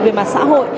về mặt xã hội